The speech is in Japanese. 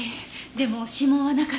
でも指紋はなかった。